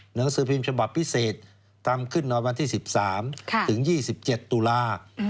หนังสือพิมพ์ฉบับพิเศษทำขึ้นมาวันที่๑๓ถึง๒๗ตุลา